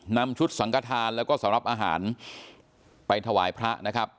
นำชุดสังกฐานแล้วก็สำหรับอาหารไปถวายพระนะครับ